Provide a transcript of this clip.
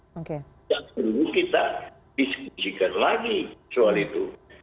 dan perlu kita diskusikan lagi soal itu